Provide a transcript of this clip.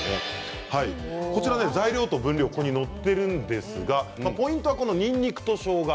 材料と分量がここに載っているんですがポイントは、にんにくとしょうが。